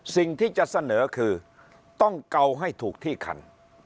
สิ่งที่จะเสนอคือต้องเกาให้ถูกที่คัน